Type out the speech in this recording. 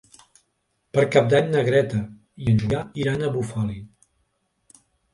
Per Cap d'Any na Greta i en Julià iran a Bufali.